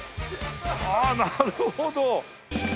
ああなるほど。